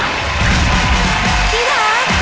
ศึกศุกร์ที่รัก